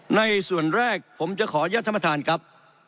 ในส่วนแรกผมจะขอยัฐมธานครับ